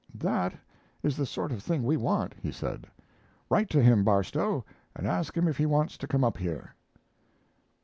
"That is the sort of thing we want," he said. "Write to him, Barstow, and ask him if he wants to come up here."